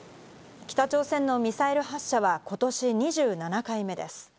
北朝鮮のミサイル発射は今年２７回目です。